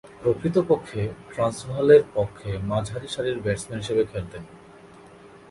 প্রকৃতপক্ষে ট্রান্সভালের পক্ষে মাঝারিসারির ব্যাটসম্যান হিসেবে খেলতেন।